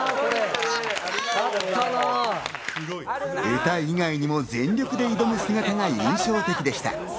歌以外にも全力で挑む姿が印象的でした。